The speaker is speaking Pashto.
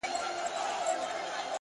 هغې د ژوند د ماهيت خبره پټه ساتل-